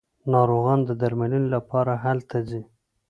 ناروغان د درملنې لپاره هلته ځي.